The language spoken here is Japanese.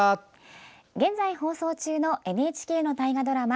現在放送中のＮＨＫ大河ドラマ